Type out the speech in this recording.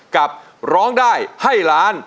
กับร้องได้ให้ล้าน